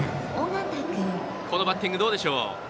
このバッティング、どうでしょう。